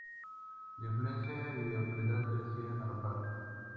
Su influencia y autoridad crecían a la par.